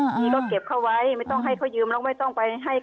มีก็เก็บเขาไว้ไม่ต้องให้เขายืมแล้วไม่ต้องไปให้